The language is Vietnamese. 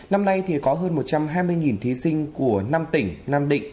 năm nay thì có hơn một trăm hai mươi thí sinh của năm tỉnh